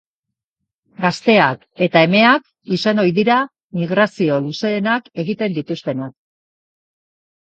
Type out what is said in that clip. Gazteak eta emeak izan ohi dira migrazio luzeenak egiten dituztenak.